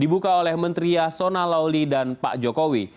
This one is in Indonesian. dibuka oleh menteri yasona lawli dan pak jokowi